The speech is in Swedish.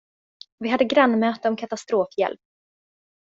Vi hade grannmöte om katastrofhjälp.